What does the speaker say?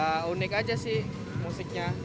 ya unik aja sih musiknya